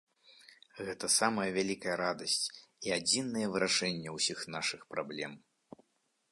Гэта самая вялікая радасць і адзінае вырашэнне ўсіх нашых праблем.